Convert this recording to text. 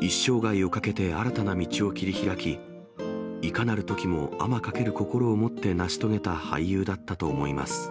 一生涯をかけて新たな道を切り開き、いかなるときも、天翔ける心を持って成し遂げた俳優だったと思います。